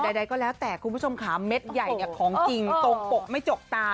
ใดก็แล้วแต่คุณผู้ชมขาเม็ดใหญ่ของจริงตรงปกไม่จกตา